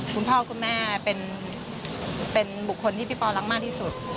คุณพ่อคุณแม่เป็นบุคคลที่พี่ปอรักมากที่สุด